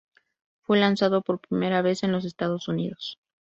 Fue lanzado por primera vez en los Estados Unidos.